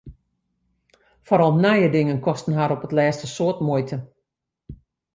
Foaral nije dingen kosten har op 't lêst in soad muoite.